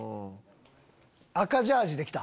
赤ジャージーで来た。